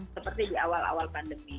seperti di awal awal pandemi